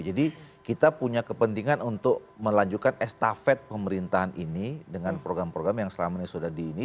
jadi kita punya kepentingan untuk melanjutkan estafet pemerintahan ini dengan program program yang selama ini sudah di ini